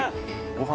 ご飯